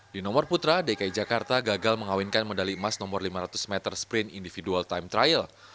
di nomor putra dki jakarta gagal mengawinkan medali emas nomor lima ratus meter sprint individual time trial